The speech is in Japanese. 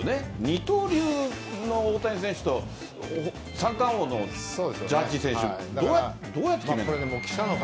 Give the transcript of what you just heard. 二刀流の大谷選手と三冠王のジャッジ選手どうやって決めるの？